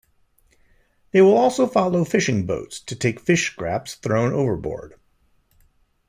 They will also follow fishing boats to take fish scraps thrown overboard.